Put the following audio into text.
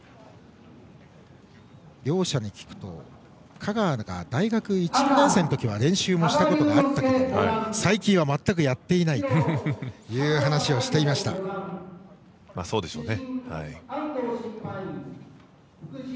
両者に聞くと香川が大学１、２年生のときは練習もしたことがあったけれども最近は全くやっていないというそうでしょうね。